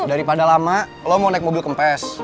daripada lama lo mau naik mobil kempes